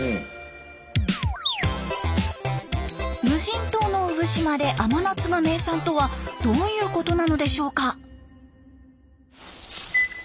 無人島の産島で甘夏が名産とはどういうことなのでしょうか？